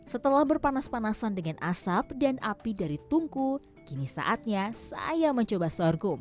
setelah berpanas panasan dengan asap dan api dari tungku kini saatnya saya mencoba sorghum